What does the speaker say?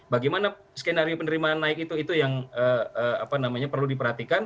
bagaimana skenario penderimaan naik itu yang perlu diperhatikan